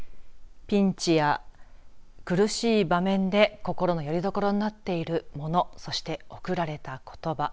ピンチや苦しい場面で心のよりどころとなっているものそして贈られたことば。